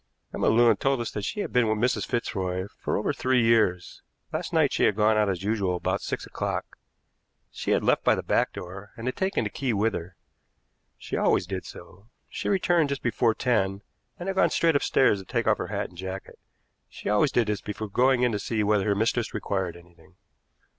Emma Lewin told us that she had been with Mrs. Fitzroy for over three years. Last night she had gone out as usual about six o'clock. She had left by the back door and had taken the key with her. She always did so. She returned just before ten, and had gone straight upstairs to take off her hat and jacket. She always did this before going in to see whether her mistress required anything.